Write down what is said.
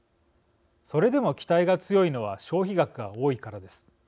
それでも期待が強いのは消費額が多いからです。